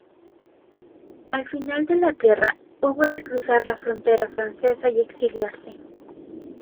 Al final de la guerra hubo de cruzar la frontera francesa y exiliarse.